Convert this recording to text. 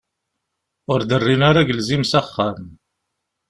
Ur d-rrin ara agelzim s axxam.